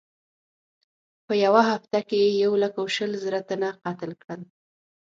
په یوه هفته کې یې یو لک شل زره تنه قتل کړل.